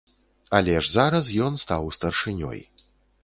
Але ж зараз ён стаў старшынёй.